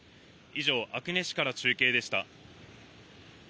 以上、阿久根市から中継でした。